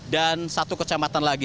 dan satu kecamatan lagi